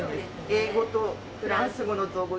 英語とフランス語の造語。